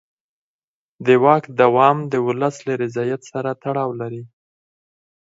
د واک دوام د ولس له رضایت سره تړاو لري